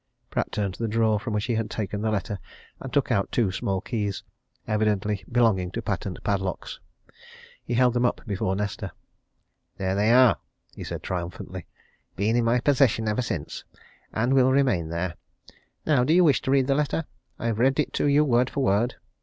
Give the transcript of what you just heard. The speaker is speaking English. '" Pratt turned to the drawer from which he had taken the letter and took out two small keys, evidently belonging to patent padlocks. He held them up before Nesta. "There they are!" he said triumphantly. "Been in my possession ever since and will remain there. Now do you wish to read the letter? I've read it to you word for word.